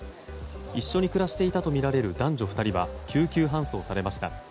一緒に暮らしていたとみられる男女２人は救急搬送されました。